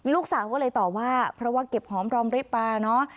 ลูกสาวก็เลยตอบว่าเพราะว่าเก็บหอมรอมริบปลาเนอะ